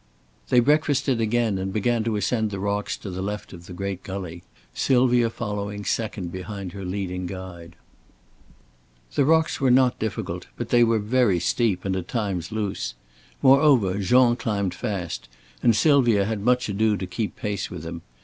They breakfasted again and began to ascend the rocks to the left of the great gully, Sylvia following second behind her leading guide. The rocks were not difficult, but they were very steep and at times loose. Moreover, Jean climbed fast and Sylvia had much ado to keep pace with him.